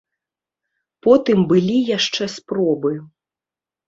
Потым былі яшчэ спробы.